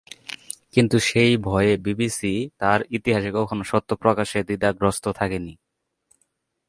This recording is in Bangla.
কিন্তু সেই ভয়ে বিবিসি তার ইতিহাসে কখনো সত্য প্রকাশে দ্বিধাগ্রস্ত থাকেনি।